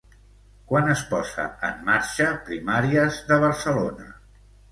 Quan es posa en marxa Primàries de Barcelona?